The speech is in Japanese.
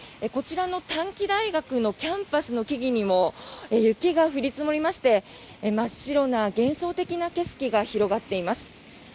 こちらの短期大学のキャンパスの木々にも雪が降り積もりまして真っ白な幻想的な景色が広がっています。